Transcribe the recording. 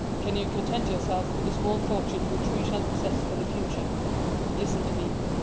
Can you content yourself with the small fortune which we shall possess for the future? Listen to me.